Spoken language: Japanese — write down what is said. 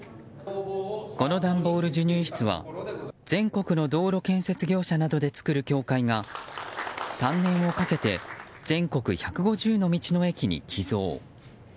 この段ボール授乳室は全国の道路建設業者などで作る協会が３年をかけて全国１５０の道の駅に寄贈。